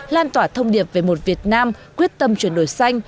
lan tỏa thông điệp về một việt nam quyết tâm chuyển đổi xanh